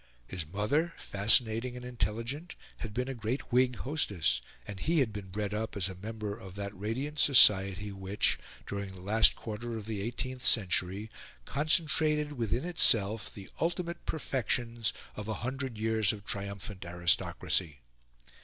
His mother, fascinating and intelligent, had been a great Whig hostess, and he had been bred up as a member of that radiant society which, during the last quarter of the eighteenth century, concentrated within itself the ultimate perfections of a hundred years of triumphant aristocracy.